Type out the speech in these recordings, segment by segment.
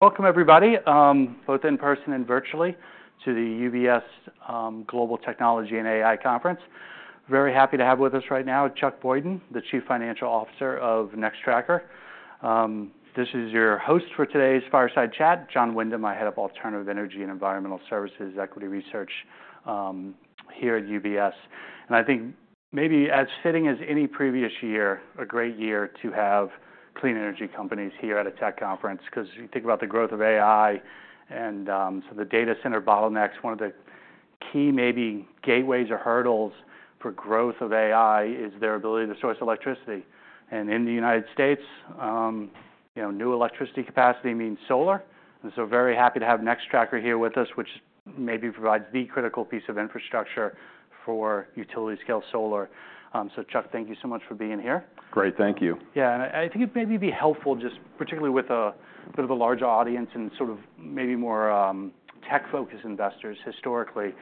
Welcome, everybody, both in person and virtually, to the UBS Global Technology and AI Conference. Very happy to have with us right now Chuck Boyce, the Chief Financial Officer of Nextracker. This is your host for today's Fireside Chat, JoJon Windham. I head up Alternative Energy and Environmental Services Equity Research here at UBS. And I think maybe as fitting as any previous year, a great year to have clean energy companies here at a tech conference, because you think about the growth of AI and some of the data center bottlenecks. One of the key maybe gateways or hurdles for growth of AI is their ability to source electricity. And in the United States, new electricity capacity means solar. And so very happy to have Nextracker here with us, which maybe provides the critical piece of infrastructure for utility-scale solar. So Chuck, thank you so much for being here. Great. Thank you. Yeah. And I think it may be helpful, just particularly with a bit of a larger audience and sort of maybe more tech-focused investors historically,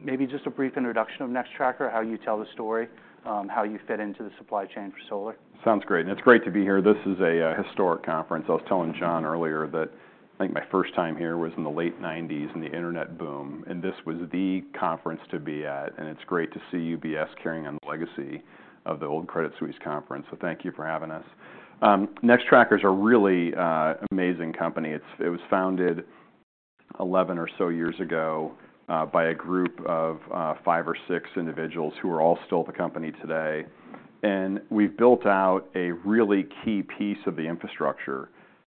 maybe just a brief introduction of Nextracker, how you tell the story, how you fit into the supply chain for solar. Sounds great, and it's great to be here. This is a historic conference. I was telling John earlier that I think my first time here was in the late 1990s in the internet boom. And this was the conference to be at. And it's great to see UBS carrying on the legacy of the old Credit Suisse conference. So thank you for having us. Nextracker is a really amazing company. It was founded 11 or so years ago by a group of five or six individuals who are all still at the company today. And we've built out a really key piece of the infrastructure.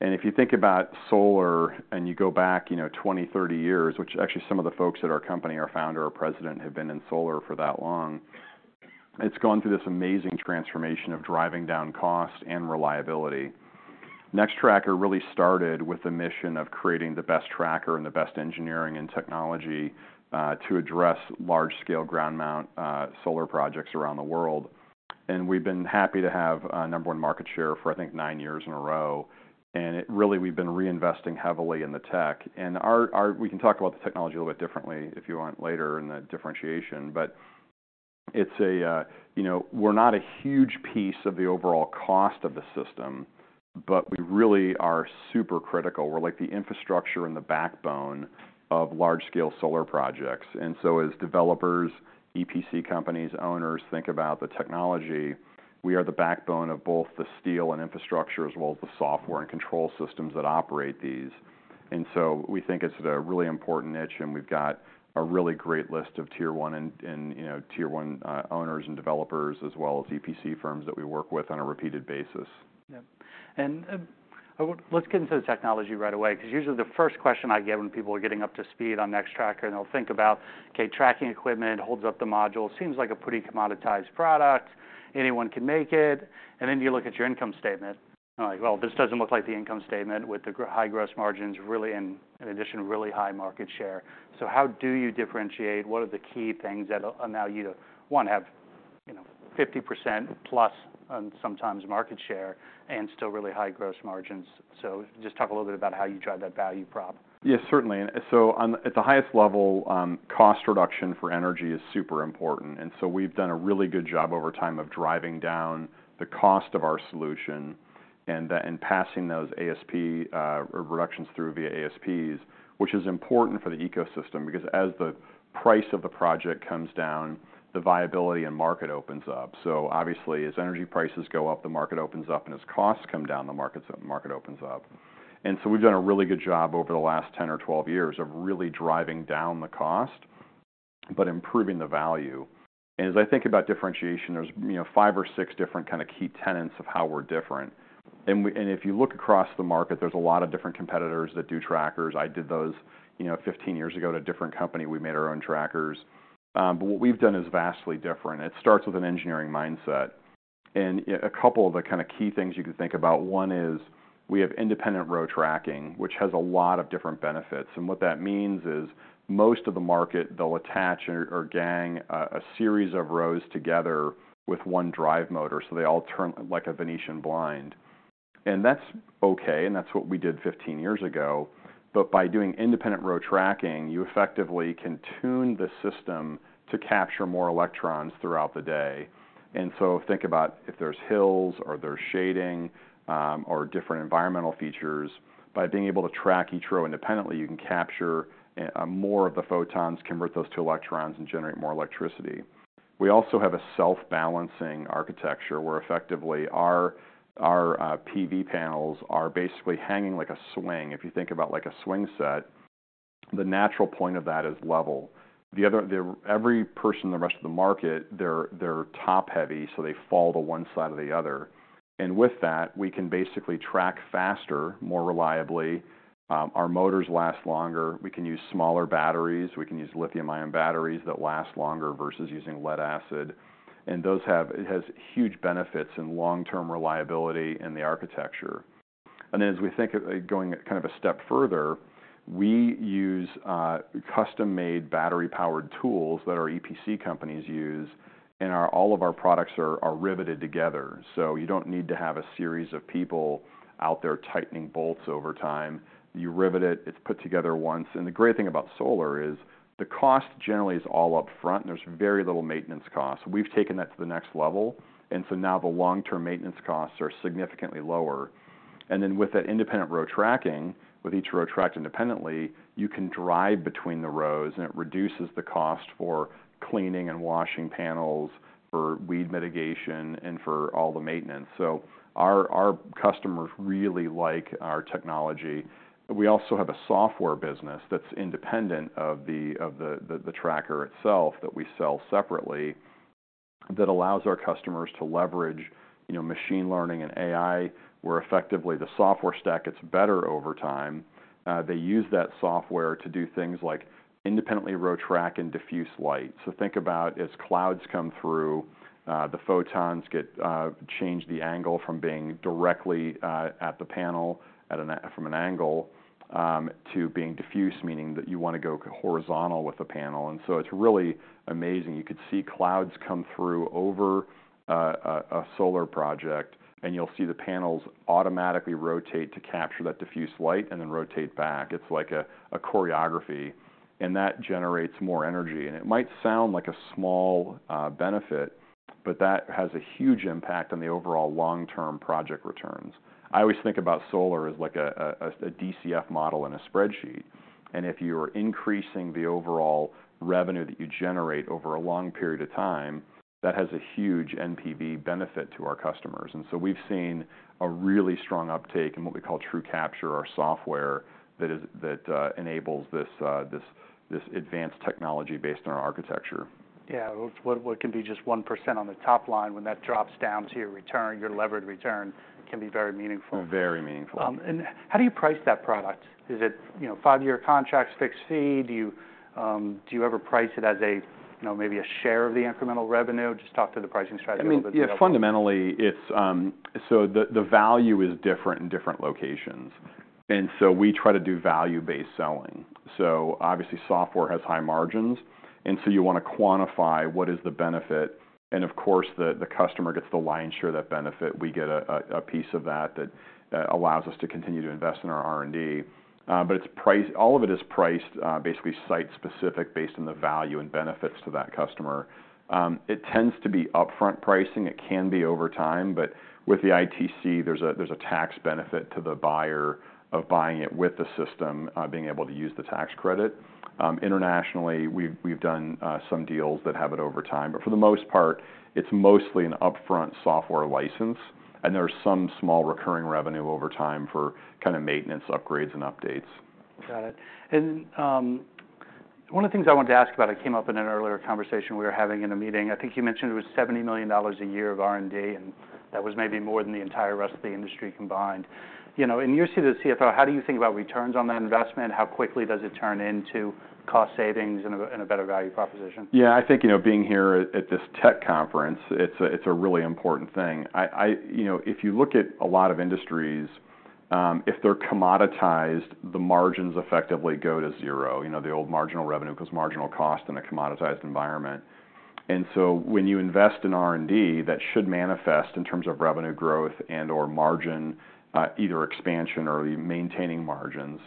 And if you think about solar and you go back 20, 30 years, which actually some of the folks at our company, our founder or president, have been in solar for that long, it's gone through this amazing transformation of driving down cost and reliability. Nextracker really started with the mission of creating the best tracker and the best engineering and technology to address large-scale ground-mount solar projects around the world. And we've been happy to have number one market share for, I think, nine years in a row. And really, we've been reinvesting heavily in the tech. And we can talk about the technology a little bit differently if you want later in the differentiation. But we're not a huge piece of the overall cost of the system, but we really are super critical. We're like the infrastructure and the backbone of large-scale solar projects. And so as developers, EPC companies, owners think about the technology, we are the backbone of both the steel and infrastructure as well as the software and control systems that operate these. And so we think it's a really important niche. We've got a really great list of tier one owners and developers as well as EPC firms that we work with on a repeated basis. Yeah. And let's get into the technology right away, because usually the first question I get when people are getting up to speed on Nextracker, and they'll think about, OK, tracking equipment holds up the module, seems like a pretty commoditized product. Anyone can make it. And then you look at your income statement. And you're like, well, this doesn't look like the income statement with the high gross margins and, in addition, really high market share. So how do you differentiate? What are the key things that allow you to, one, have 50%+ sometimes market share and still really high gross margins? So just talk a little bit about how you drive that value prop. Yeah, certainly. So at the highest level, cost reduction for energy is super important. And so we've done a really good job over time of driving down the cost of our solution and passing those ASP reductions through via ASPs, which is important for the ecosystem, because as the price of the project comes down, the viability and market opens up. So obviously, as energy prices go up, the market opens up. And as costs come down, the market opens up. And so we've done a really good job over the last 10 or 12 years of really driving down the cost but improving the value. And as I think about differentiation, there's five or six different kind of key tenets of how we're different. And if you look across the market, there's a lot of different competitors that do trackers. I did those 15 years ago at a different company. We made our own trackers. But what we've done is vastly different. It starts with an engineering mindset. And a couple of the kind of key things you can think about, one is we have independent row tracking, which has a lot of different benefits. And what that means is most of the market, they'll attach or gang a series of rows together with one drive motor, so they all turn like a Venetian blind. And that's OK. And that's what we did 15 years ago. But by doing independent row tracking, you effectively can tune the system to capture more electrons throughout the day. And so think about if there's hills or there's shading or different environmental features. By being able to track each row independently, you can capture more of the photons, convert those to electrons, and generate more electricity. We also have a self-balancing architecture where effectively our PV panels are basically hanging like a swing. If you think about like a swing set, the natural point of that is level. Every person in the rest of the market, they're top heavy, so they fall to one side or the other, and with that, we can basically track faster, more reliably. Our motors last longer. We can use smaller batteries. We can use lithium-ion batteries that last longer versus using lead acid, and those have huge benefits in long-term reliability and the architecture, and then as we think going kind of a step further, we use custom-made battery-powered tools that our EPC companies use, and all of our products are riveted together. You don't need to have a series of people out there tightening bolts over time. You rivet it. It's put together once. The great thing about solar is the cost generally is all up front. There's very little maintenance cost. We've taken that to the next level. The long-term maintenance costs are significantly lower. With that independent row tracking, with each row tracked independently, you can drive between the rows. It reduces the cost for cleaning and washing panels, for weed mitigation, and for all the maintenance. Our customers really like our technology. We also have a software business that's independent of the tracker itself that we sell separately that allows our customers to leverage machine learning and AI, where effectively the software stack gets better over time. They use that software to do things like independent row tracking and diffuse light, so think about, as clouds come through, the photons change the angle from being directly at the panel from an angle to being diffuse, meaning that you want to go horizontal with the panel, and so it's really amazing. You could see clouds come through over a solar project, and you'll see the panels automatically rotate to capture that diffuse light and then rotate back. It's like a choreography, and that generates more energy, and it might sound like a small benefit, but that has a huge impact on the overall long-term project returns. I always think about solar as like a DCF model in a spreadsheet, and if you are increasing the overall revenue that you generate over a long period of time, that has a huge NPV benefit to our customers. And so we've seen a really strong uptake in what we call TrueCapture, our software that enables this advanced technology based on our architecture. Yeah. What can be just 1% on the top line when that drops down to your return, your levered return can be very meaningful. Very meaningful. How do you price that product? Is it five-year contracts, fixed fee? Do you ever price it as maybe a share of the incremental revenue? Just talk to the pricing strategy a little bit. I mean, yeah, fundamentally, so the value is different in different locations. And so we try to do value-based selling. So obviously, software has high margins. And so you want to quantify what is the benefit. And of course, the customer gets the lion's share of that benefit. We get a piece of that that allows us to continue to invest in our R&D. But all of it is priced basically site-specific based on the value and benefits to that customer. It tends to be upfront pricing. It can be over time. But with the ITC, there's a tax benefit to the buyer of buying it with the system, being able to use the tax credit. Internationally, we've done some deals that have it over time. But for the most part, it's mostly an upfront software license. There's some small recurring revenue over time for kind of maintenance upgrades and updates. Got it. And one of the things I wanted to ask about, it came up in an earlier conversation we were having in a meeting. I think you mentioned it was $70 million a year of R&D. And that was maybe more than the entire rest of the industry combined. And you're the CFO. How do you think about returns on that investment? How quickly does it turn into cost savings and a better value proposition? Yeah. I think being here at this tech conference, it's a really important thing. If you look at a lot of industries, if they're commoditized, the margins effectively go to zero, the old marginal revenue because marginal cost in a commoditized environment. And so when you invest in R&D, that should manifest in terms of revenue growth and/or margin, either expansion or maintaining margins.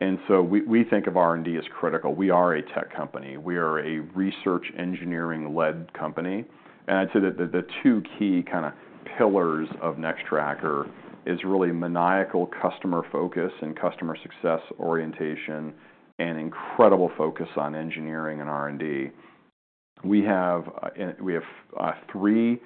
And so we think of R&D as critical. We are a tech company. We are a research engineering-led company. And I'd say that the two key kind of pillars of Nextracker are really maniacal customer focus and customer success orientation and incredible focus on engineering and R&D. We have three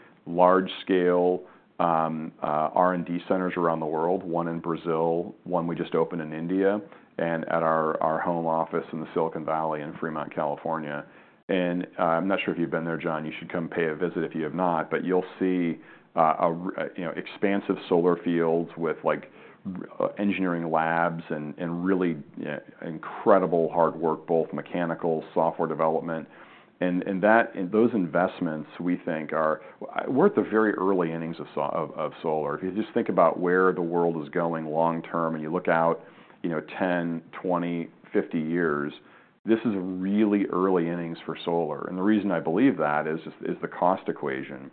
large-scale R&D centers around the world, one in Brazil, one we just opened in India, and at our home office in the Silicon Valley in Fremont, California. And I'm not sure if you've been there, John. You should come pay a visit if you have not. But you'll see expansive solar fields with engineering labs and really incredible hard work, both mechanical, software development, and those investments, we think, we're at the very early innings of solar. If you just think about where the world is going long-term and you look out 10, 20, 50 years, this is really early innings for solar, and the reason I believe that is the cost equation.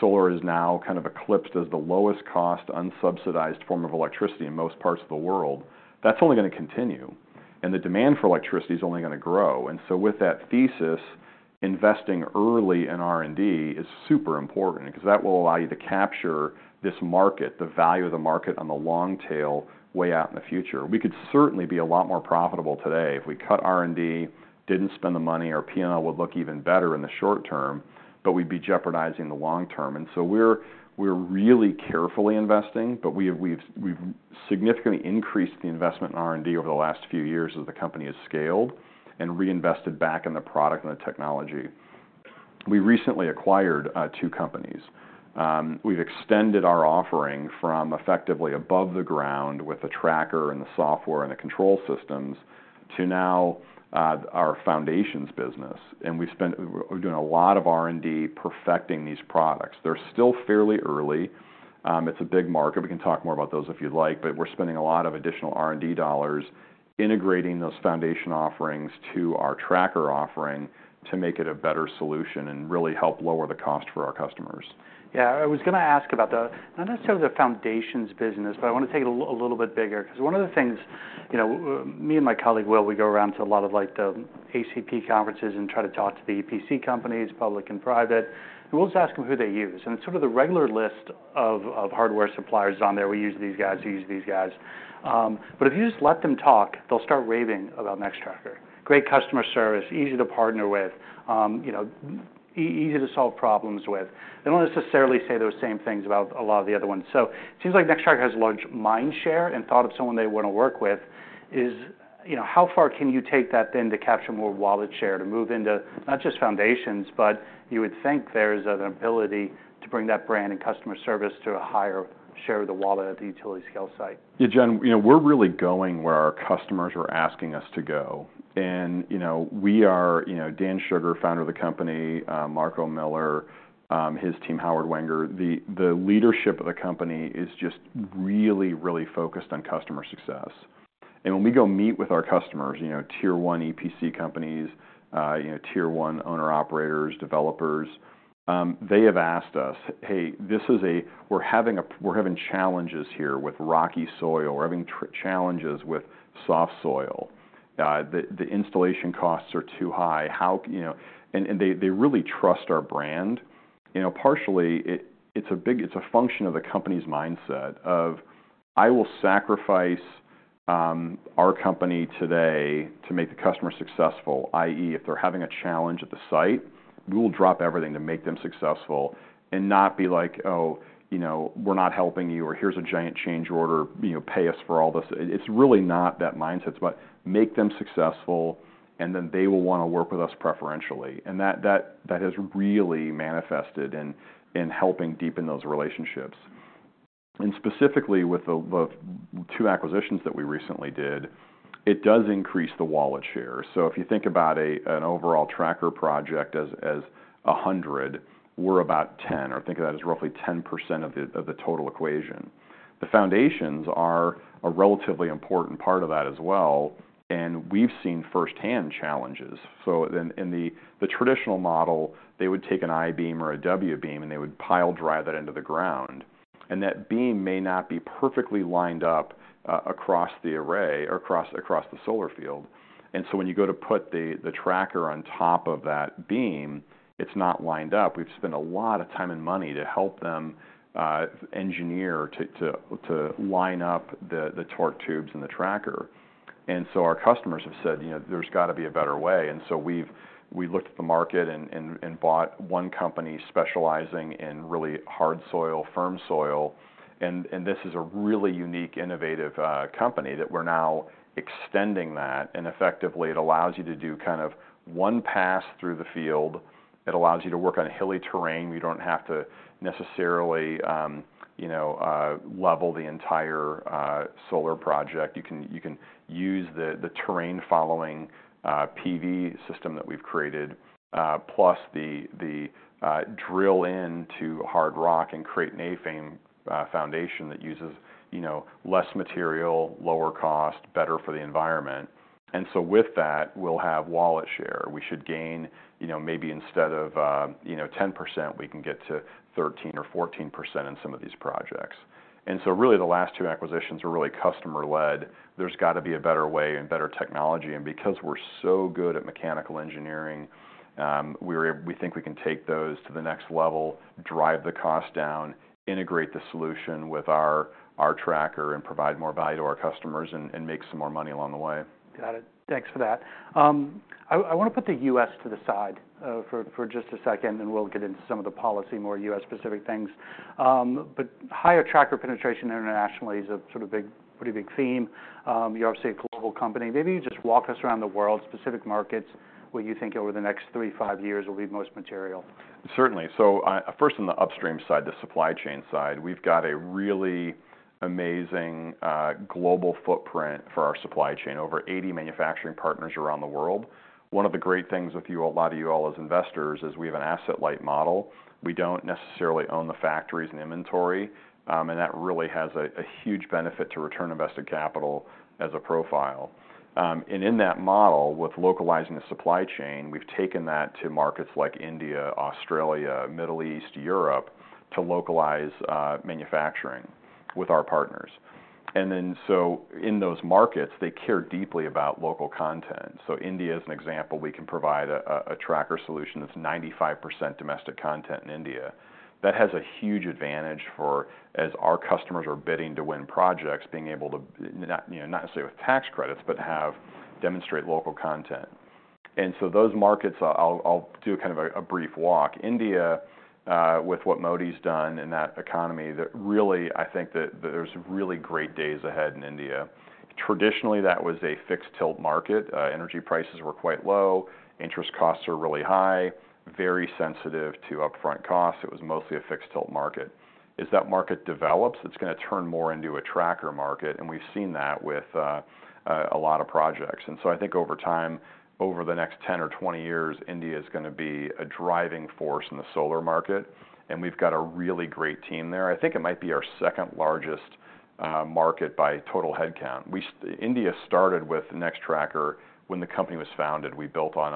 Solar is now kind of eclipsed as the lowest cost unsubsidized form of electricity in most parts of the world. That's only going to continue, and the demand for electricity is only going to grow, and so with that thesis, investing early in R&D is super important, because that will allow you to capture this market, the value of the market on the long tail way out in the future. We could certainly be a lot more profitable today if we cut R&D, didn't spend the money. Our P&L would look even better in the short term. But we'd be jeopardizing the long term. And so we're really carefully investing. But we've significantly increased the investment in R&D over the last few years as the company has scaled and reinvested back in the product and the technology. We recently acquired two companies. We've extended our offering from effectively above the ground with the tracker and the software and the control systems to now our foundations business. And we've been doing a lot of R&D perfecting these products. They're still fairly early. It's a big market. We can talk more about those if you'd like. But we're spending a lot of additional R&D dollars integrating those foundation offerings to our tracker offering to make it a better solution and really help lower the cost for our customers. Yeah. I was going to ask about not necessarily the foundations business, but I want to take it a little bit bigger, because one of the things me and my colleague Will, we go around to a lot of the ACP conferences and try to talk to the EPC companies, public and private. And we'll just ask them who they use. And it's sort of the regular list of hardware suppliers on there. We use these guys. We use these guys. But if you just let them talk, they'll start raving about Nextracker. Great customer service, easy to partner with, easy to solve problems with. They don't necessarily say those same things about a lot of the other ones. So it seems like Nextracker has a large mind share. And thought of someone they want to work with is how far can you take that then to capture more wallet share to move into not just foundations, but you would think there is an ability to bring that brand and customer service to a higher share of the wallet at the utility-scale site. Yeah, John, we're really going where our customers are asking us to go. And we are Dan Sugar, founder of the company, Marco Miller, his team, Howard Wenger. The leadership of the company is just really, really focused on customer success. And when we go meet with our customers, tier one EPC companies, tier one owner-operators, developers, they have asked us, hey, we're having challenges here with rocky soil. We're having challenges with soft soil. The installation costs are too high. And they really trust our brand. Partially, it's a function of the company's mindset of, I will sacrifice our company today to make the customer successful, i.e., if they're having a challenge at the site, we will drop everything to make them successful and not be like, oh, we're not helping you, or here's a giant change order. Pay us for all this. It's really not that mindset. It's about making them successful, and then they will want to work with us preferentially. And that has really manifested in helping deepen those relationships. And specifically with the two acquisitions that we recently did, it does increase the wallet share. So if you think about an overall tracker project as 100, we're about 10, or think of that as roughly 10% of the total equation. The foundations are a relatively important part of that as well. And we've seen firsthand challenges. So in the traditional model, they would take an I-beam or a W-beam, and they would pile drive that into the ground. And that beam may not be perfectly lined up across the array, across the solar field. And so when you go to put the tracker on top of that beam, it's not lined up. We've spent a lot of time and money to help them engineer to line up the torque tubes and the tracker, and so our customers have said there's got to be a better way, and so we looked at the market and bought one company specializing in really hard soil, firm soil, and this is a really unique, innovative company that we're now extending that, and effectively, it allows you to do kind of one pass through the field. It allows you to work on hilly terrain. You don't have to necessarily level the entire solar project. You can use the terrain-following PV system that we've created, plus the drill-in to hard rock and create an A-frame foundation that uses less material, lower cost, better for the environment, and so with that, we'll have wallet share. We should gain maybe instead of 10%, we can get to 13% or 14% in some of these projects, and so really, the last two acquisitions were really customer-led. There's got to be a better way and better technology, and because we're so good at mechanical engineering, we think we can take those to the next level, drive the cost down, integrate the solution with our tracker, and provide more value to our customers and make some more money along the way. Got it. Thanks for that. I want to put the U.S. to the side for just a second, and we'll get into some of the policy more U.S.-specific things. But higher tracker penetration internationally is a sort of pretty big theme. You're obviously a global company. Maybe you just walk us around the world, specific markets, where you think over the next three, five years will be most material. Certainly, so first on the upstream side, the supply chain side, we've got a really amazing global footprint for our supply chain, over 80 manufacturing partners around the world. One of the great things with a lot of you all as investors is we have an asset-light model. We don't necessarily own the factories and inventory. And that really has a huge benefit to return invested capital as a profile. And in that model, with localizing the supply chain, we've taken that to markets like India, Australia, Middle East, Europe to localize manufacturing with our partners. And then so in those markets, they care deeply about local content. So India, as an example, we can provide a tracker solution that's 95% domestic content in India. That has a huge advantage for, as our customers are bidding to win projects, being able to not necessarily with tax credits, but demonstrate local content. And so those markets, I'll do kind of a brief walk. India, with what Modi's done in that economy, really, I think that there's really great days ahead in India. Traditionally, that was a fixed-tilt market. Energy prices were quite low. Interest costs are really high, very sensitive to upfront costs. It was mostly a fixed-tilt market. As that market develops, it's going to turn more into a tracker market. And we've seen that with a lot of projects. And so I think over time, over the next 10 or 20 years, India is going to be a driving force in the solar market. And we've got a really great team there. I think it might be our second largest market by total headcount. India started with Nextracker when the company was founded. We built on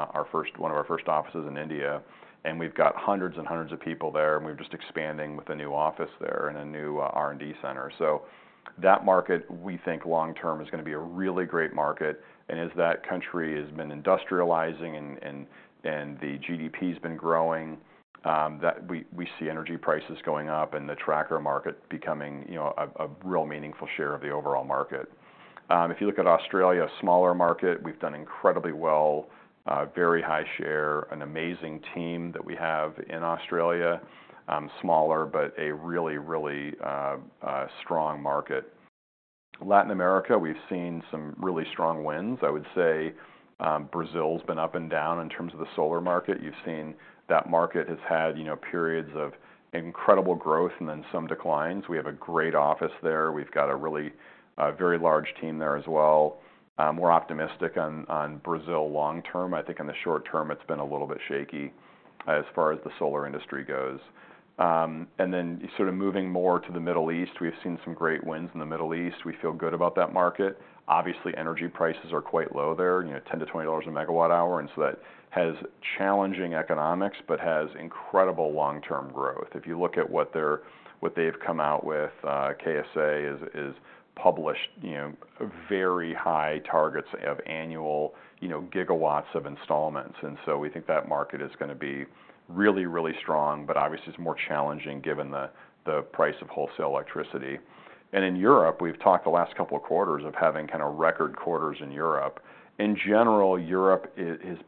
one of our first offices in India. And we've got hundreds and hundreds of people there. And we're just expanding with a new office there and a new R&D center. So that market, we think long-term, is going to be a really great market. And as that country has been industrializing and the GDP has been growing, we see energy prices going up and the tracker market becoming a real meaningful share of the overall market. If you look at Australia, a smaller market, we've done incredibly well, very high share, an amazing team that we have in Australia, smaller, but a really, really strong market. Latin America, we've seen some really strong wins. I would say Brazil's been up and down in terms of the solar market. You've seen that market has had periods of incredible growth and then some declines. We have a great office there. We've got a really very large team there as well. We're optimistic on Brazil, long-term. I think in the short term, it's been a little bit shaky as far as the solar industry goes, and then sort of moving more to the Middle East, we've seen some great wins in the Middle East. We feel good about that market. Obviously, energy prices are quite low there, $10-$20 a megawatt hour, and so that has challenging economics, but has incredible long-term growth. If you look at what they've come out with, KSA has published very high targets of annual gigawatts of installations, and so we think that market is going to be really, really strong, but obviously it's more challenging given the price of wholesale electricity. And in Europe, we've talked the last couple of quarters of having kind of record quarters in Europe. In general, Europe is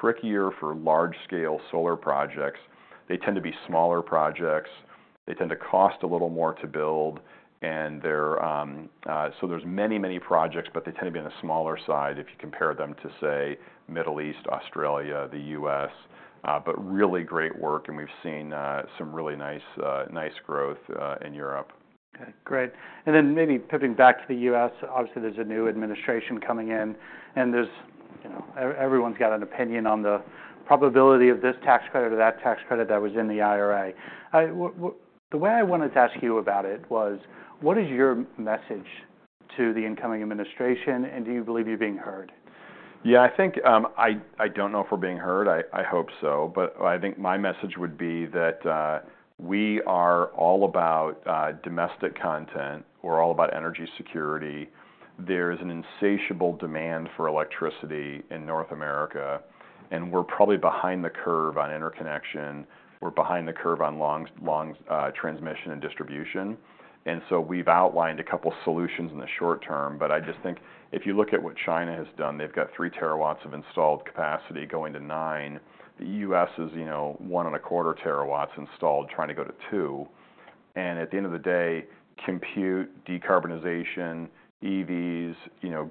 trickier for large-scale solar projects. They tend to be smaller projects. They tend to cost a little more to build. And so there's many, many projects, but they tend to be on the smaller side if you compare them to, say, Middle East, Australia, the U.S. But really great work. And we've seen some really nice growth in Europe. Okay. Great. And then maybe pivoting back to the U.S., obviously there's a new administration coming in. And everyone's got an opinion on the probability of this tax credit or that tax credit that was in the IRA. The way I wanted to ask you about it was, what is your message to the incoming administration? And do you believe you're being heard? Yeah. I think I don't know if we're being heard. I hope so. But I think my message would be that we are all about domestic content. We're all about energy security. There is an insatiable demand for electricity in North America. And we're probably behind the curve on interconnection. We're behind the curve on long transmission and distribution. And so we've outlined a couple of solutions in the short term. But I just think if you look at what China has done, they've got three terawatts of installed capacity going to nine. The U.S. is one and one-fourth terawatts installed, trying to go to two. And at the end of the day, compute, decarbonization, EVs,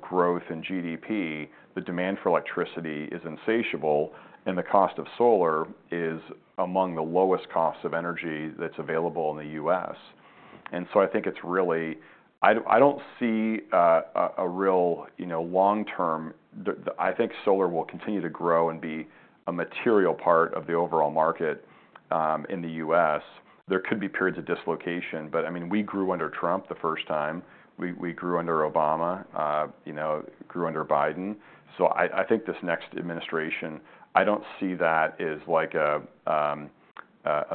growth, and GDP, the demand for electricity is insatiable. And the cost of solar is among the lowest costs of energy that's available in the U.S. And so I think it's really. I don't see a real long-term. I think solar will continue to grow and be a material part of the overall market in the US. There could be periods of dislocation. But I mean, we grew under Trump the first time. We grew under Obama, grew under Biden. So I think this next administration, I don't see that as like a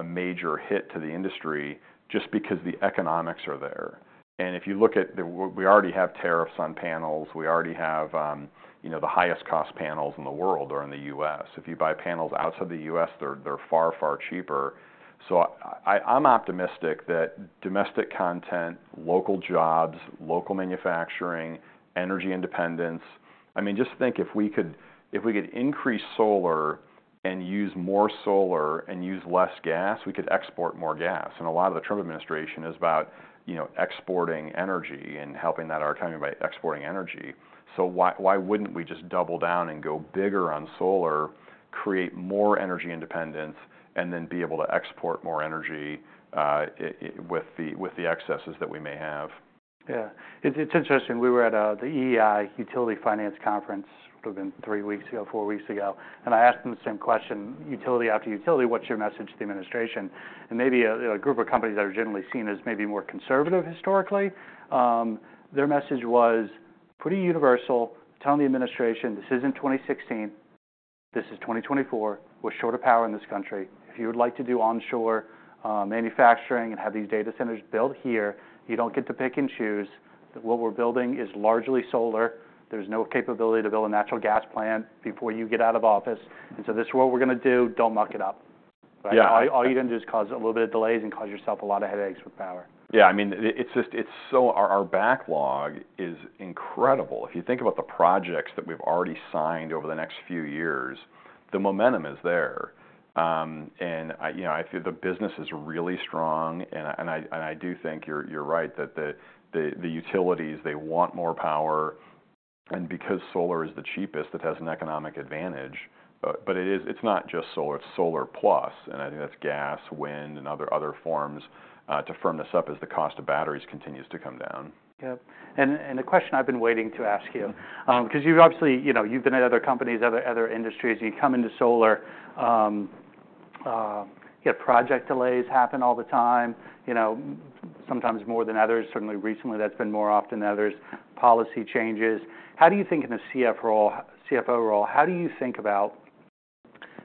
major hit to the industry just because the economics are there. And if you look at, we already have tariffs on panels. We already have the highest-cost panels in the world are in the US. If you buy panels outside the US, they're far, far cheaper. So I'm optimistic that domestic content, local jobs, local manufacturing, energy independence. I mean, just think if we could increase solar and use more solar and use less gas, we could export more gas. A lot of the Trump administration is about exporting energy and helping that economy by exporting energy. So why wouldn't we just double down and go bigger on solar, create more energy independence, and then be able to export more energy with the excesses that we may have? Yeah. It's interesting. We were at the EEI Utility Finance Conference, which would have been three weeks ago, four weeks ago. And I asked them the same question, utility after utility, what's your message to the administration? And maybe a group of companies that are generally seen as maybe more conservative historically, their message was pretty universal. Telling the administration, this isn't 2016. This is 2024. We're short of power in this country. If you would like to do onshore manufacturing and have these data centers built here, you don't get to pick and choose. What we're building is largely solar. There's no capability to build a natural gas plant before you get out of office. And so this is what we're going to do. Don't muck it up. All you're going to do is cause a little bit of delays and cause yourself a lot of headaches with power. Yeah. I mean, our backlog is incredible. If you think about the projects that we've already signed over the next few years, the momentum is there. And I feel the business is really strong. And I do think you're right that the utilities, they want more power. And because solar is the cheapest, it has an economic advantage. But it's not just solar. It's solar plus. And I think that's gas, wind, and other forms. To firm this up is the cost of batteries continues to come down. Yep, and a question I've been waiting to ask you. Because you've obviously been at other companies, other industries. You come into solar, you get project delays happen all the time, sometimes more than others. Certainly recently, that's been more often than others. Policy changes. How do you think in the CFO role, how do you think about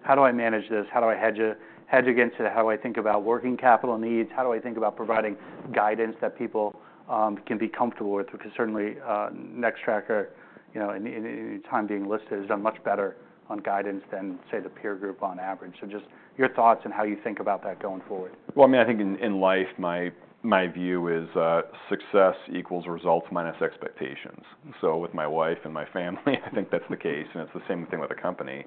how do I manage this? How do I hedge against it? How do I think about working capital needs? How do I think about providing guidance that people can be comfortable with? Because certainly, Nextracker, in your time being listed, has done much better on guidance than, say, the peer group on average, so just your thoughts and how you think about that going forward. Well, I mean, I think in life, my view is success equals results minus expectations. So with my wife and my family, I think that's the case. And it's the same thing with the company.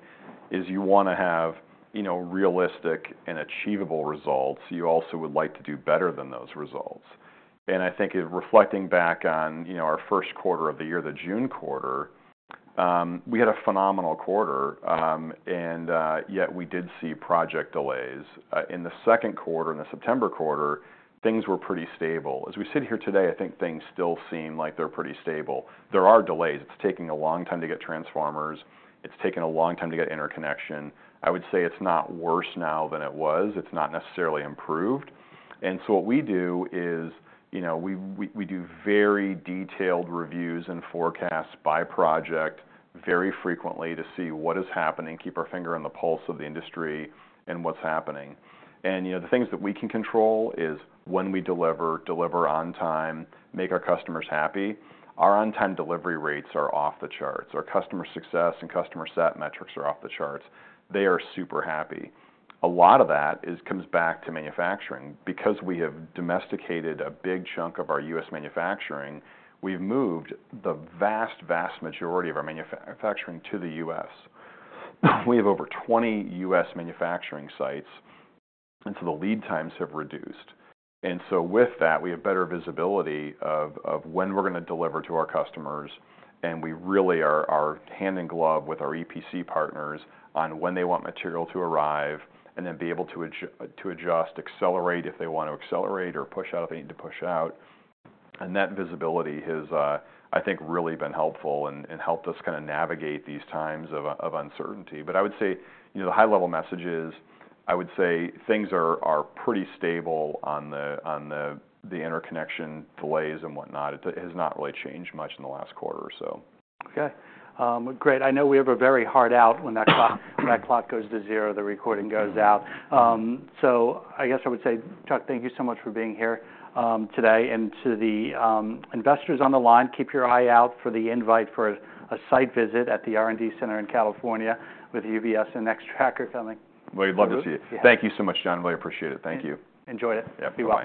You want to have realistic and achievable results. You also would like to do better than those results. And I think reflecting back on our first quarter of the year, the June quarter, we had a phenomenal quarter. And yet we did see project delays. In the second quarter, in the September quarter, things were pretty stable. As we sit here today, I think things still seem like they're pretty stable. There are delays. It's taking a long time to get transformers. It's taken a long time to get interconnection. I would say it's not worse now than it was. It's not necessarily improved. And so what we do is we do very detailed reviews and forecasts by project very frequently to see what is happening, keep our finger on the pulse of the industry and what's happening. And the things that we can control is when we deliver, deliver on time, make our customers happy. Our on-time delivery rates are off the charts. Our customer success and customer set metrics are off the charts. They are super happy. A lot of that comes back to manufacturing. Because we have domesticated a big chunk of our U.S. manufacturing, we've moved the vast, vast majority of our manufacturing to the U.S. We have over 20 U.S. manufacturing sites. And so the lead times have reduced. And so with that, we have better visibility of when we're going to deliver to our customers. And we really are hand in glove with our EPC partners on when they want material to arrive and then be able to adjust, accelerate if they want to accelerate or push out if they need to push out. And that visibility has, I think, really been helpful and helped us kind of navigate these times of uncertainty. But I would say the high-level message is, I would say things are pretty stable on the interconnection delays and whatnot. It has not really changed much in the last quarter or so. Okay. Great. I know we have a very hard out when that clock goes to zero. The recording goes out. So I guess I would say, Chuck, thank you so much for being here today. And to the investors on the line, keep your eye out for the invite for a site visit at the R&D Center in California with UBS and Nextracker coming. We'd love to see you. Thank you so much, John. Really appreciate it. Thank you. Enjoyed it. Yep. Be well.